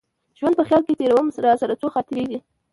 ژوند په خیال کي تېرومه راسره څو خاطرې دي